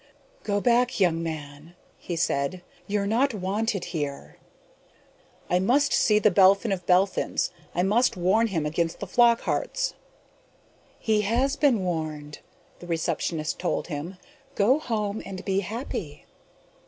"Go back, young man," he said. "You're not wanted here." "I must see The Belphin of Belphins. I must warn him against the Flockharts." "He has been warned," the receptionist told him. "Go home and be happy!"